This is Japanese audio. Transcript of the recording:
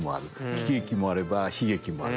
喜劇もあれば悲劇もある。